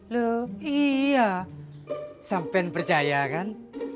loh iya sampean percaya kan